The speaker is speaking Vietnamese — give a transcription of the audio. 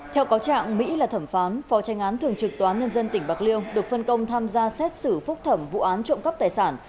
theo cáo trạng mỹ là thẩm phán phó tranh án thường trực tòa án nhân dân tỉnh bạc liêu được phân công tham gia xét xử phúc thẩm vụ án trộm cắp tài sản